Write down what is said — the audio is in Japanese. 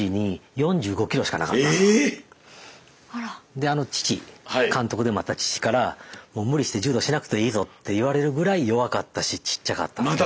⁉であの父監督でもあった父からもう無理して柔道しなくていいぞって言われるぐらい弱かったしちっちゃかったんですね。